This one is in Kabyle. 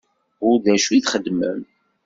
U d acu i txeddmem?